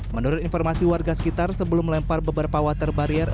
menurut informasi warga sekitar sebelum melempar beberapa water barrier